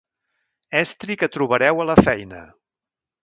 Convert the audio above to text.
Estri que trobareu a la feina.